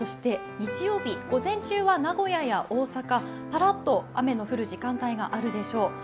日曜日、午前中は名古屋や大阪、パラッと雨の降る時間帯があるでしょう。